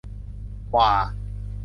หว่า